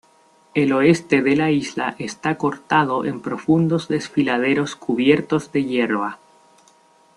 El oeste de la isla está cortado en profundos desfiladeros cubiertos de hierba.